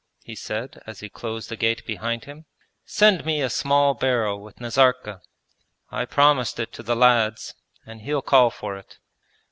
he said as he closed the gate behind him. 'Send me a small barrel with Nazarka. I promised it to the lads, and he'll call for it.'